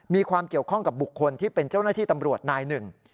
มีความเกี่ยวข้องกับบุคคลที่เป็นเจ้าหน้าที่ตำรวจนายหนึ่ง